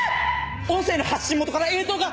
音声の発信元から映像が！